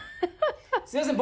すいません